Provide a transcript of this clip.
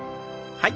はい。